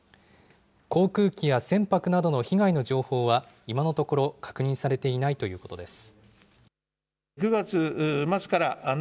航空機や船舶などの被害の情報は、今のところ確認されていないということです。